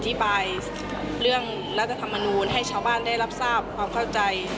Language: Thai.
บายเรื่องรัฐธรรมนูลให้ชาวบ้านได้รับทราบความเข้าใจ